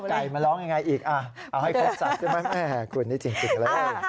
ไก่มาร้องอย่างไรอีกเอาให้เข้าทรัพย์ใช่ไหมคุณนี่จริงเลย